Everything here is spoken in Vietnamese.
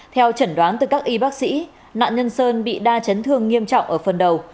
theo trần đoán từ các y bác sĩ nạn nhân sơn bị đa chấn thương nghiêm trọng ở phần đầu